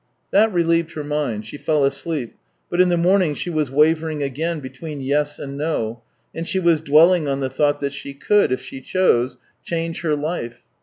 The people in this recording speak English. That relieved her mind — she fell asleep; but in the morning, she was wavering again between yes and no, and she was dwelling on the thought that she could, if she chose, change her life.